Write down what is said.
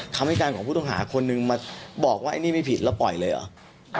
คำให้การของผู้ต้องหาคนนึงมาบอกว่าไอ้นี่ไม่ผิดแล้วปล่อยเลยเหรอ